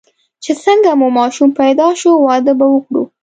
چې څنګه مو ماشوم پیدا شو، واده به وکړو.